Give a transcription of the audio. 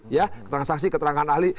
ya keterangan saksi keterangan ahli